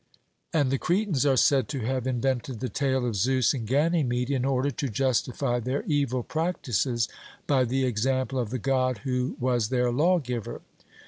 And the Cretans are said to have invented the tale of Zeus and Ganymede in order to justify their evil practices by the example of the God who was their lawgiver.